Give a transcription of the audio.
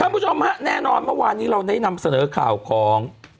คุณผู้ชมฮะแน่นอนเมื่อวานนี้เราได้นำเสนอข่าวของ